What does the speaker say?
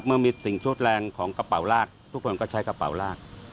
เมื่อมีสิ่งชดแรงของกระเป๋าลากทุกคนก็ใช้กระเป๋าลาก